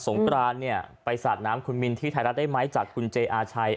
งกรานเนี่ยไปสาดน้ำคุณมินที่ไทยรัฐได้ไหมจากคุณเจอาชัย